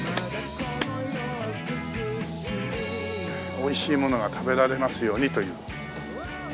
おいしいものが食べられますようにという。